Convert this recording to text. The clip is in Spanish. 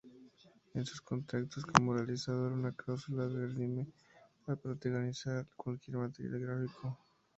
En sus contratos como realizador, una cláusula le redime de protagonizar cualquier material gráfico.